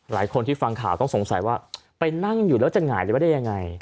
หลายคนที่ฟังข่าวต้องสงสัยว่าไปนั่งอยู่แล้วจะหงายหรือว่าได้ยังไง